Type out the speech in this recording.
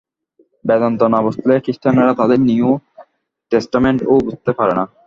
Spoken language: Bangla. বেদান্ত না বুঝলে খ্রীষ্টানেরা তাদের নিউ টেষ্টামেণ্টও বুঝতে পারে না।